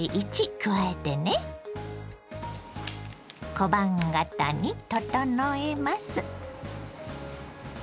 小判形に整えます。